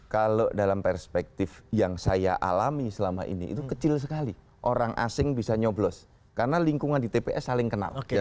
kalau dalam perspektif yang saya alami selama ini itu kecil sekali orang asing bisa nyoblos karena lingkungan di tps saling kenal